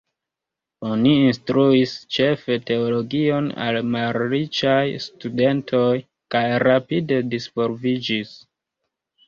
Oni instruis ĉefe teologion al malriĉaj studentoj, kaj rapide disvolviĝis.